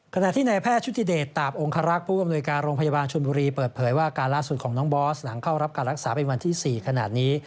ขณะที่นายแพทย์ชุติเดชตาบองคารักษ์ผู้อำนวยการโรงพยาบาลชนบุรีเปิดเผยว่าการล่าสุดของน้องบอสหลังเข้ารับการรักษาเป็นวันที่๔ขนาดนี้